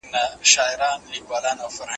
ډېر ناروغان د سپورت په اهمیت باور نه لري.